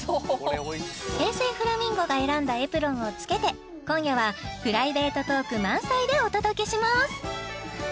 平成フラミンゴが選んだエプロンをつけて今夜はプライベートトーク満載でお届けします！